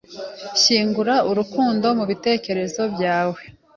Nshyingura urukundo mu bitekerezo byawe…